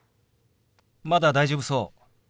まだ大丈夫そう。